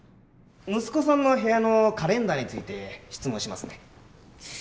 息子さんの部屋のカレンダーについて質問しますね。